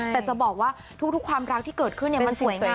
แต่จะบอกว่าทุกความรักที่เกิดขึ้นมันสวย